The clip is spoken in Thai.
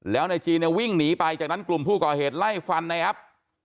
แล้วนายจีนเนี่ยวิ่งหนีไปจากนั้นกลุ่มผู้ก่อเหตุไล่ฟันในแอป